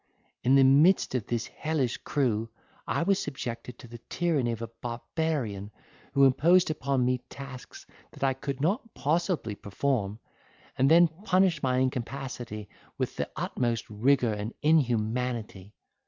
In the midst of this hellish crew, I was subjected to the tyranny of a barbarian, who imposed upon me tasks that I could not possibly perform, and then punished my incapacity with the utmost rigour and inhumanity.